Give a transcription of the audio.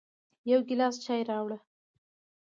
يو ګیلاس چای راوړه